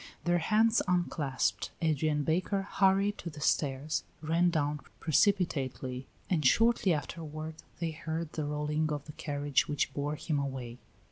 Their hands unclasped, Adrian Baker hurried to the stairs, ran down precipitately, and shortly afterward they heard the rolling of the carriage which bore him away.